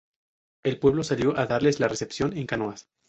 El pueblo salió a darles la recepción en canoas.